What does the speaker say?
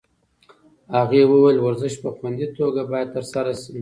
هغې وویل ورزش په خوندي توګه باید ترسره شي.